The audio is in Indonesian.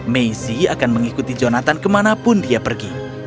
messi akan mengikuti jonathan kemanapun dia pergi